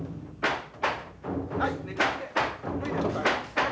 はい！